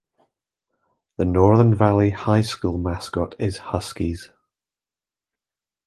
The Northern Valley High School mascot is Huskies.